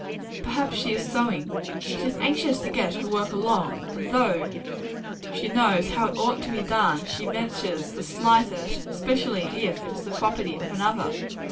Perhaps site is sewing. She is anxious to get her work along; and though she know, how it ought to be done, she ventures to slight it especially if it is the property of another.